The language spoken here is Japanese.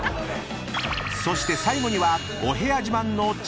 ［そして最後には］